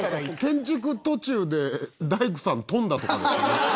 建築途中で大工さん飛んだとかですかね？